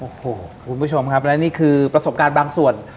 โอ้โหคุณผู้ชมครับและนี่คือประสบการณ์บางส่วน